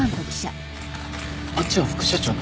あっちは副社長の。